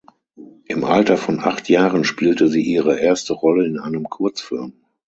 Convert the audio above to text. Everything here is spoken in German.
Im Alter von acht Jahren spielte sie ihre erste Rolle in einem Kurzfilm.